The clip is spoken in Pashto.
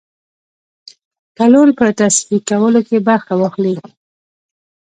تړون په تصحیح کولو کې برخه واخلي.